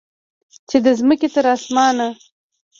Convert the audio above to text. چې د مځکې تر اسمانه